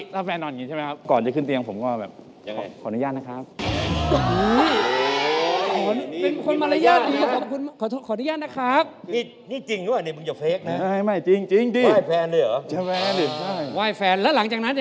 ถ้าแฟนนอนอย่างนี้ใช่มั้ยพี่ครับ